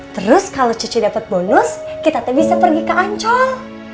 terus kalau cucu dapet bonus kita bisa pergi ke ancol